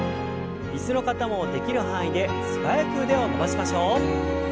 椅子の方もできる範囲で素早く腕を伸ばしましょう。